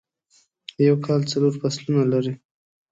یو کال څلور فصلونه لری